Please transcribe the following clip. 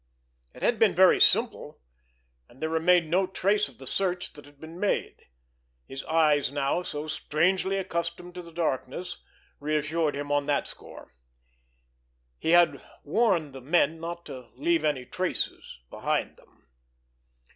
It had been very simple. And there remained no trace of the search that had been made. His eyes now, so strangely accustomed to the darkness, reassured him on that score. He had warned the men not to leave any traces behind them!